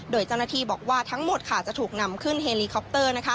โดยเจ้าหน้าที่บอกว่าทั้งหมดจะถูกนำขึ้นเฮลีคอปเตอร์